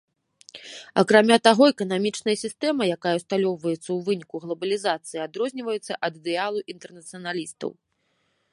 Акрамя таго, эканамічная сістэма, якая ўсталёўваецца ў выніку глабалізацыі, адрозніваецца ад ідэалу інтэрнацыяналістаў.